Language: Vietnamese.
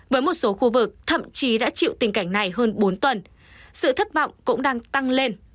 với một số khu vực thậm chí đã chịu tình cảnh này hơn bốn tuần sự thất vọng cũng đang tăng lên